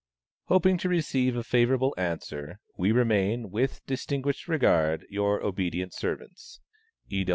Hoping soon to receive a favorable answer, we remain, with distinguished regard, your obedient servants, E.